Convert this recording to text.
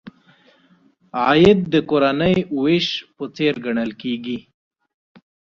عاید د کورنۍ وېش په څېر ګڼل کیږي.